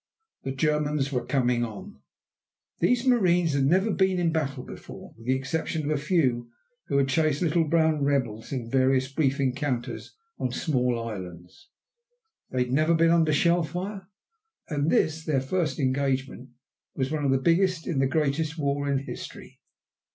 The Germans were coming on. These marines had never been in a battle before, with the exception of a few who had chased little brown rebels in various brief encounters on small islands. They had never been under shell fire. And this their first engagement was one of the biggest in the greatest war in history.